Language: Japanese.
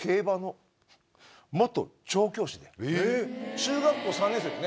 中学校３年生の時ね